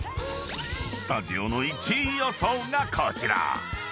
［スタジオの１位予想がこちら］